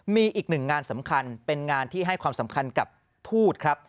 มีอีกหนึ่งงานสำคัญเป็นงานที่ให้ความสำคัญกับทูตครับ